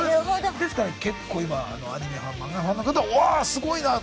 ですから結構今アニメファン漫画ファンの方はうわすごいなと。